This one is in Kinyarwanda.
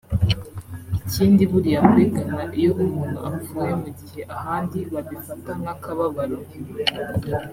Ikindi buriya muri Ghana iyo umuntu apfuye mugihe ahandi babifata nk’akababaro